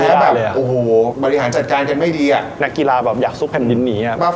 แล้วแบบโอ้โหบริหารจัดการกันไม่ดีอ่ะนักกีฬาแบบอยากซุกแผ่นดินหนีอ่ะ